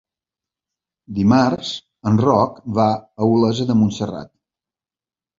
Dimarts en Roc va a Olesa de Montserrat.